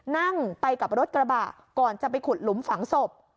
นั่งไปกับรถกระบะก่อนจะไปขุดหลุมฝังศพ